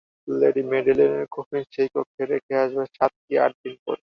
Lady মেডেলিনের coffin সেই কক্ষে রেখে আসবার সাত কি আট দিন পরে।